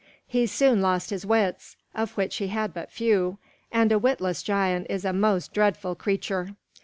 He soon lost his wits, of which he had but few; and a witless giant is a most dreadful creature.